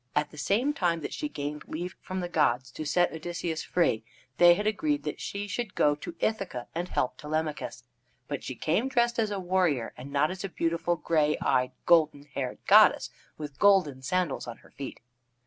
At the same time that she gained leave from the gods to set Odysseus free, they had agreed that she should go to Ithaca and help Telemachus. But she came dressed as a warrior, and not as a beautiful, gray eyed, golden haired goddess with golden sandals on her feet.